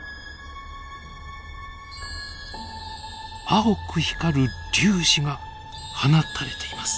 青く光る粒子が放たれています。